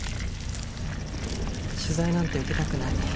取材なんて受けたくない。